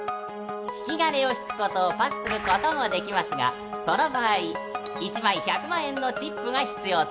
［引き金を引くことをパスすることもできますがその場合１枚１００万円のチップが必要となります］